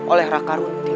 oleh raka runtik